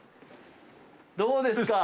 どうですか？